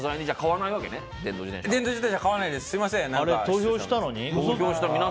すみません。